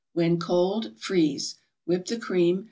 When cold, freeze. Whip the cream.